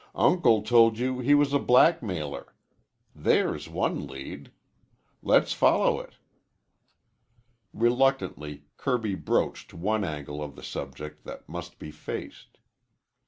Uncle told you he was a black mailer. There's one lead. Let's follow it." Reluctantly Kirby broached one angle of the subject that must be faced.